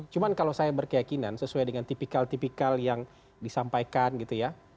cuma kalau saya berkeyakinan sesuai dengan tipikal tipikal yang disampaikan gitu ya